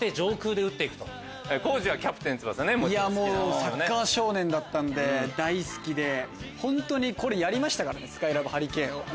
サッカー少年だったんで大好きで本当にやりましたからスカイラブ・ハリケーンを。